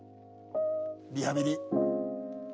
リハビリ。